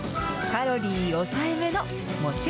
カロリー抑えめのもち